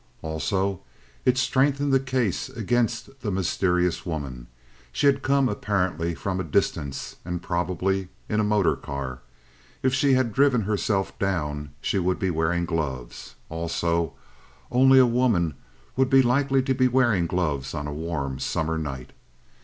Also, it strengthened the case against the mysterious woman. She had come, apparently, from a distance, and probably in a motor car. If she had driven herself down, she would be wearing gloves. Also, only a woman would be likely to be wearing gloves on a warm summer night.